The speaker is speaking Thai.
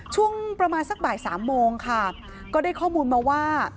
ช่วงประมาณสักบ่ายสามโมงค่ะก็ได้ข้อมูลมาว่า